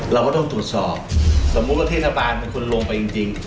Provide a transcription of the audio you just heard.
เราก็ต้องตรวจสอบสมมุติว่าเทศนปากมันลงไปจริงจริง